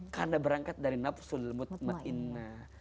karena berangkat dari nafsu mutmainah